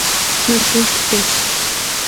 Mıbdêjj dıdeş.